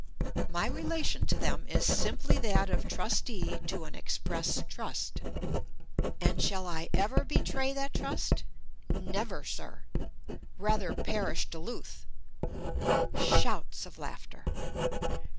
My relation to them is simply that of trustee to an express trust. And shall I ever betray that trust? Never, sir! Rather perish Duluth! (Shouts of laughter.)